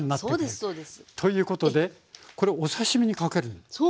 そうですそうです。ということでこれお刺身にかけるんですか？